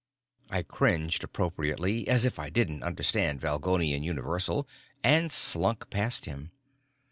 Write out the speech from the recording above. I cringed appropriately, as if I didn't understand Valgolian Universal, and slunk past him.